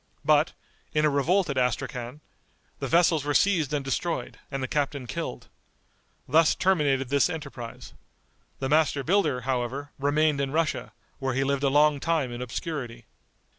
But, in a revolt at Astrachan, the vessels were seized and destroyed, and the captain killed. Thus terminated this enterprise. The master builder, however, remained in Russia, where he lived a long time in obscurity.